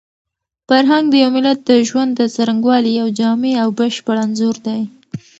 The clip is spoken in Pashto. فرهنګ د یو ملت د ژوند د څرنګوالي یو جامع او بشپړ انځور دی.